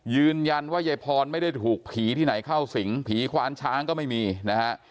ยืนยันว่ายายพรไม่ได้ถูกผีที่ไหนเข้าสิงผีควานช้างก็ไม่มีนะฮะ